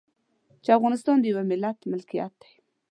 چې افغانستان د يوه ملت ملکيت دی.